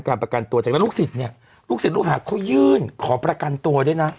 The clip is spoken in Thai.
ก็จะเกิดเดือนมุ่นหวาน